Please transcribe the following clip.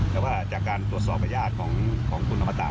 แต่ว่าจากการตรวจสอบประหยาดของคุณภาษา